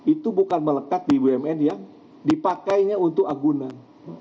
itu bukan melekat di bumn yang dipakainya untuk agunan